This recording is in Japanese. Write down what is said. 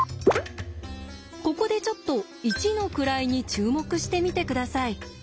ここでちょっと１の位に注目してみて下さい。